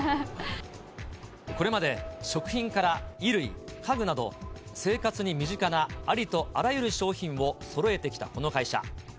これまで食品から衣類、家具など、生活に身近なありとあらゆる商品をそろえてきたこの会社。